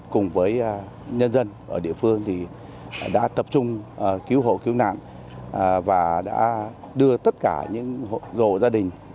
cùng với nhân dân ở địa phương thì đã tập trung cứu hộ cứu nạn và đã đưa tất cả những gồ gia đình